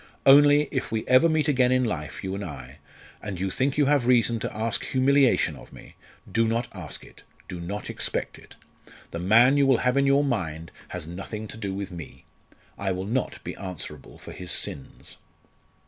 Only, if we ever meet again in life, you and I, and you think you have reason to ask humiliation of me, do not ask it, do not expect it. The man you will have in your mind has nothing to do with me. I will not be answerable for his sins."